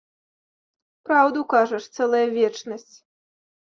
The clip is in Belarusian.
Праўду кажаш, цэлая вечнасць.